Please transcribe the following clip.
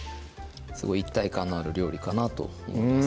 すごい一体感のある料理かなと思います